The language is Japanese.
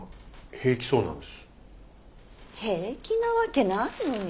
平気なわけないのに。